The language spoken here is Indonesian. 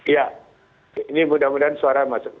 ya ini mudah mudahan suara masuk